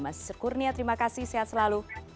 mas kurnia terima kasih sehat selalu